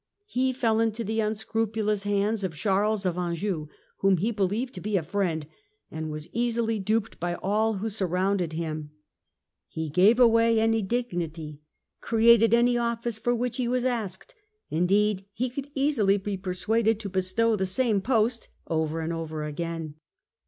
He fell into the unscrupulous hands of Charles of Anjou, whom he believed to be a friend, and was easily duped by all who surrounded him. He gave away any dignity, created any office for which he was asked ; indeed he could easily be persuaded to bestow the same post over and over again.